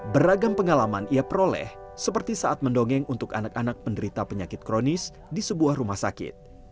beragam pengalaman ia peroleh seperti saat mendongeng untuk anak anak penderita penyakit kronis di sebuah rumah sakit